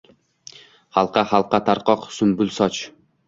Halqa-halqa, tarqoq sumbul soch